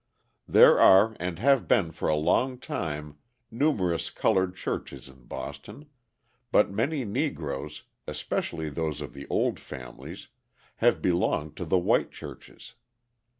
There are, and have been for a long time, numerous coloured churches in Boston, but many Negroes, especially those of the old families, have belonged to the white churches.